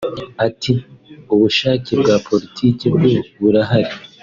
Ati “Ubushake bwa politiki bwo burahari